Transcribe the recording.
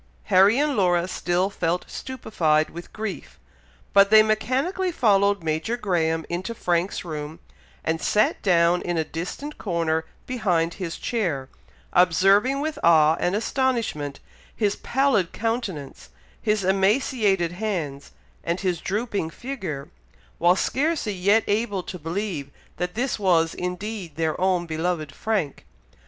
Harry and Laura still felt stupified with grief, but they mechanically followed Major Graham into Frank's room, and sat down in a distant corner behind his chair, observing with awe and astonishment his pallid countenance, his emaciated hands, and his drooping figure, while scarcely yet able to believe that this was indeed their own beloved Frank.